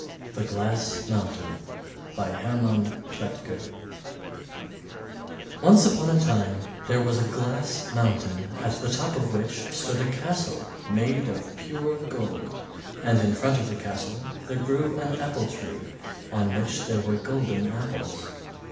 THE GLASS MOUNTAIN By Hermann R. Kletke Once upon a time there was a glass mountain at the top of which stood a castle made of pure gold, and in front of the castle there grew an apple tree on which there were golden apples.